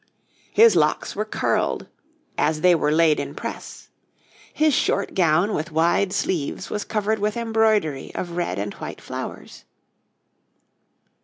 His locks were curled, 'as they were leyed in presse.' His short gown with wide sleeves was covered with embroidery of red and white flowers.